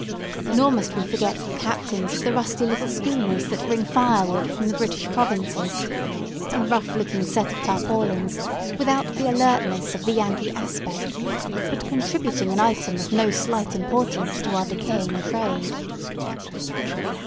Nor must we forget the captains of the rusty little schooners that bring firewood from the British provinces; a rough looking set of tarpaulins, without the alertness of the Yankee aspect, but contributing an item of no slight importance to our decaying trade.